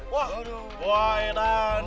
wah buah edan